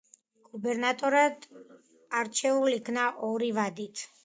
გუბერნატორად არჩეულ იქნა ორი ვადით.